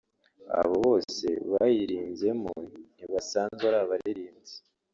Abo bose bayiririmbyemo ntibasanzwe ari abaririmbyi